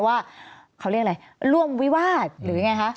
ว่าเขาเรียกอะไรร่วมวิวาสหรือยังไงคะ